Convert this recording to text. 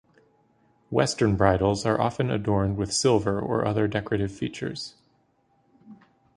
Western bridles are often adorned with silver or other decorative features.